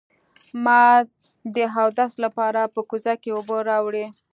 ما د اودس لپاره په کوزه کې اوبه راوړې.